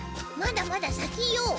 まだまだ先よ。